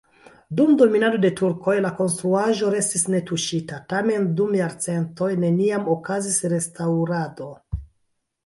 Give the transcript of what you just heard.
Dum dominado de turkoj la konstruaĵo restis netuŝita, tamen dum jarcentoj neniam okazis restaŭrado.